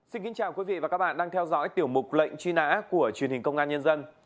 xin kính chào quý vị và các bạn đang theo dõi tiểu mục lệnh truy nã của truyền hình công an nhân dân